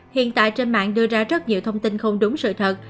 hiện tại trên mạng đưa ra rất nhiều thông tin không đúng sự thật